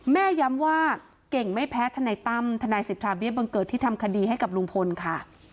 ย้ำว่าเก่งไม่แพ้ทนายตั้มทนายสิทธาเบี้ยบังเกิดที่ทำคดีให้กับลุงพลค่ะ